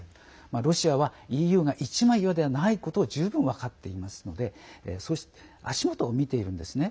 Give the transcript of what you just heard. ロシアはＥＵが一枚岩ではないことを十分、分かっていますので足元を見ているんですね。